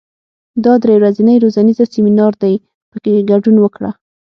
دا درې ورځنی روزنیز سیمینار دی، په کې ګډون وکړه.